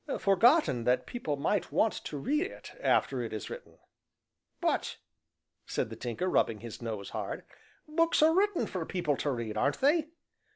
"Forgotten that people might went to read it after it is written." "But," said the Tinker, rubbing his nose hard, "books are written for people to read, aren't they?"